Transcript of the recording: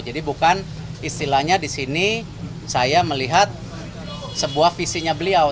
jadi bukan istilahnya disini saya melihat sebuah visinya beliau